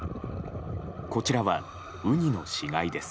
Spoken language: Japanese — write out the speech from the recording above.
こちらは、ウニの死骸です。